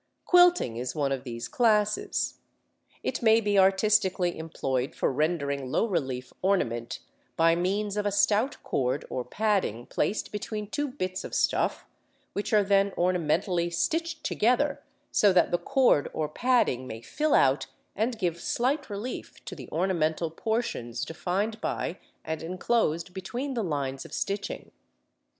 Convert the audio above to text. Quilting is one of these classes. It may be artistically employed for rendering low relief ornament, by means of a stout cord or padding placed between two bits of stuff, which are then ornamentally stitched together so that the cord or padding may fill out and give slight relief to the ornamental portions defined by and enclosed between the lines of stitching.